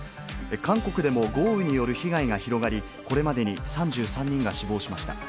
韓国でも豪雨による被害が広がり、これまでに３３人が死亡しました。